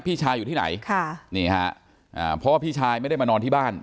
พี่ชายอยู่ที่ไหนค่ะนี่ฮะอ่าเพราะว่าพี่ชายไม่ได้มานอนที่บ้าน